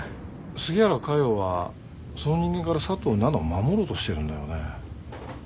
杉原佳代はその人間から佐藤奈々を守ろうとしてるんだよね。